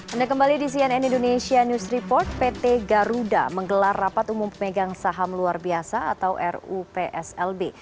anda kembali di cnn indonesia news report pt garuda menggelar rapat umum pemegang saham luar biasa atau rupslb